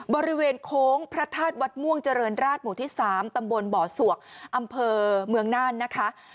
บริเวณโค้งพระธาตุวัดม่วงเจริญราชหมู่ที่๓ตำบลบ่อสวกอำเภอเมืองน่านนะคะ